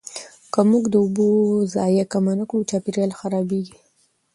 که موږ د اوبو ضایع کم نه کړو، چاپیریال خرابېږي.